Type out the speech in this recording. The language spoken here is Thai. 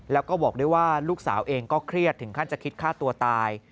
แล้วก็บอกด้วยว่าลูกสาวเองก็เครียดถึงขั้นจะคิดฆ่าตัวตาย